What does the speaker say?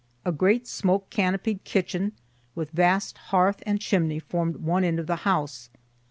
A great smoke canopied kitchen, with vast hearth and chimney, form'd one end of the house.